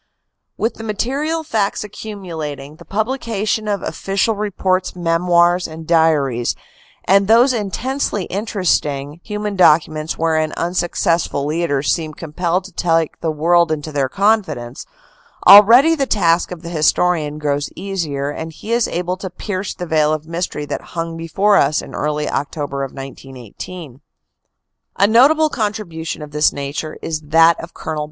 With the material facts accumulating, the publication of official reports, memoirs and diaries, and those intensely inter esting human documents wherein unsuccessful leaders seem compelled to take the world into their confidence, already the task of the historian grows easier and he is able to pierce the veil of mystery that hung before us in early October of 1918. A notable contribution of this nature is that of Col.